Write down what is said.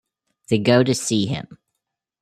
They go to see him.